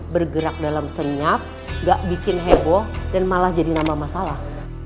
bergerak dalam senyap gak bikin heboh dan malah jadi nama masalah